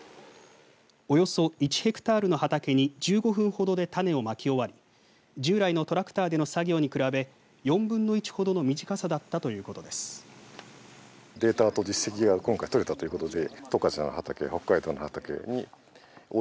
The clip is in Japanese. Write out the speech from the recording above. およそ１ヘクタールの畑に１５分ほどで種をまき終わり従来のトラクターでの作業に比べ４分の１ほどの短さだったということです。